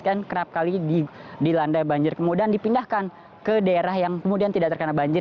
kan kerap kali dilandai banjir kemudian dipindahkan ke daerah yang kemudian tidak terkena banjir